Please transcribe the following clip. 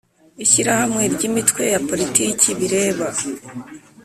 Ishyirahamwe ry imitwe ya politiki bireba